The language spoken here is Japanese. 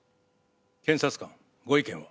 検察官ご意見は？